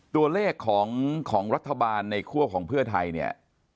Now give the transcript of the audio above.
ตัวเลขของรัฐบาลในครัวของเพื่อไทย